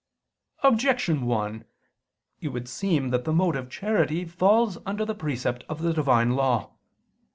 Objection 1: It would seem that the mode of charity falls under the precept of the Divine law.